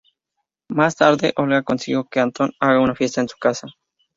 Más tarde, Olga consigue que Anton haga una fiesta en su casa.